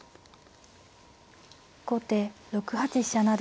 後手６八飛車成。